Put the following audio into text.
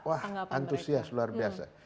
wah antusias luar biasa